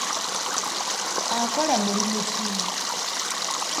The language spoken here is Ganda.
Akola mulimu ki?